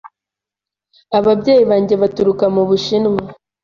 Ababyeyi banjye baturuka mu Bushinwa.